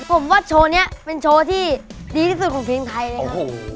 ผมว่าโชว์นี้เป็นโชว์ที่ดีที่สุดของเพลงไทยนะครับ